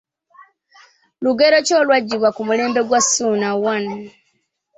Lugero ki olwaggibwa ku mulembe gwa Ssuuna I?